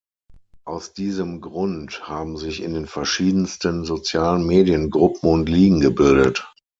Aus diesem Grund haben sich in den verschiedensten sozialen Medien Gruppen und Ligen gebildet.